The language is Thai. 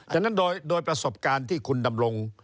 ฉะนั้นโดยประสบการณ์ที่คุณดำรง